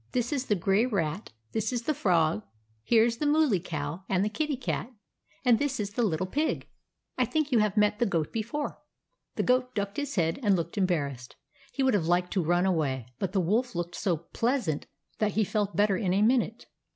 This is the Grey Rat ; this is the Frog ; here is the Mooly Cow, and the Kitty Cat ; and this is the Little Pig. I think you have met the Goat before." The Goat ducked his head, and looked embarrassed. He would have liked to run away ; but the Wolf looked so pleasant that he felt better in a minute.